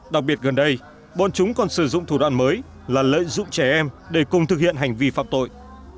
đặc biệt gần đây bọn chúng còn sử dụng thủ đoạn mới là lợi dụng trẻ em để cùng thực hiện hành vi phạm tội